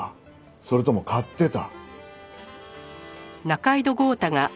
それとも買ってた？